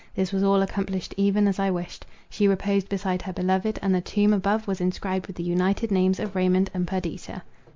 This was all accomplished even as I wished. She reposed beside her beloved, and the tomb above was inscribed with the united names of Raymond and Perdita.